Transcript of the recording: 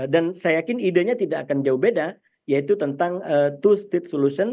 dan saya yakin idenya tidak akan jauh beda yaitu tentang two state solution